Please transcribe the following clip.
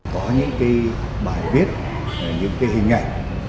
có những bài viết những hình ảnh